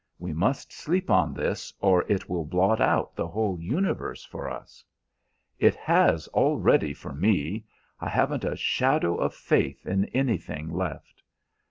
We must sleep on this, or it will blot out the whole universe for us." "It has already for me. I haven't a shadow of faith in anything left."